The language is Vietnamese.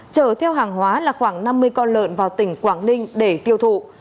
chở theo hàng hóa là khoảng năm mươi con lợn vào tỉnh quảng ninh để tiêu thụ